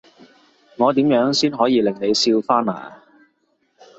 我點樣先可以令你笑返呀？